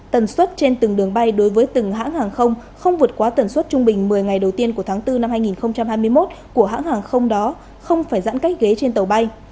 tần suất trên từng đường bay đối với từng hãng hàng không không vượt quá tần suất trung bình một mươi ngày đầu tiên của tháng bốn năm hai nghìn hai mươi một của hãng hàng không đó không phải giãn cách ghế trên tàu bay